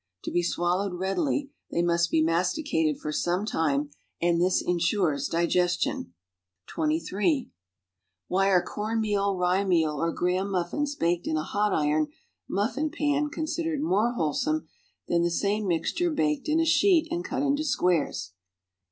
To be swallowed readily, they must be masticated for some time and this insures digestion. (i") Why are corn meal, rye meal or graham muffins bakeil in a hot iron muf fin pan considered more whole.some than fhe same mixture baked Iti a sheet and cut in squares.